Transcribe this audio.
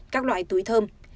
các loại túi thơm